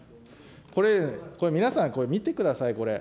これね、皆さんこれ、見てください、これ。